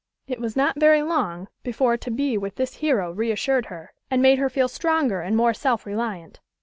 It was not very long before to be with this hero re assured her, and made her feel stronger and more self reliant.